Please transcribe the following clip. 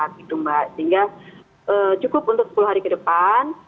sehingga cukup untuk sepuluh hari ke depan